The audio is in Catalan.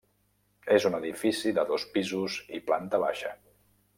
És un edifici de dos pisos i planta baixa.